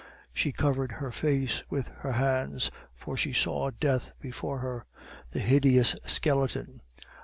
She covered her face with her hands, for she saw Death before her the hideous skeleton.